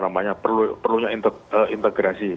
apa namanya perlunya integrasi